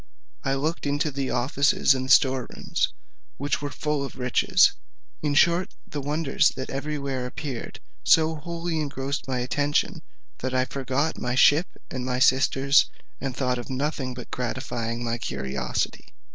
I looked into the offices and store rooms, which were full of riches. In short, the wonders that everywhere appeared so wholly engrossed my attention, that I forgot my ship and my sisters, and thought of nothing but gratifying my curiosity.